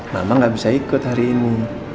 mama gak bisa ikut hari ini